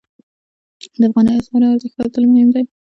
د افغانۍ اسعارو ارزښت ساتل مهم دي